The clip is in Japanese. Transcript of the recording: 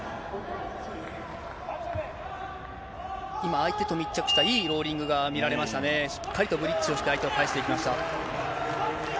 今、相手と密着したいいローリングが見られましたね、しっかりとブリッジして相手を返していきました。